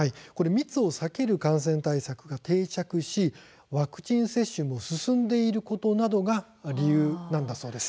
密を避ける感染対策が定着しワクチン接種も進んでいることなどが理由なんだそうです。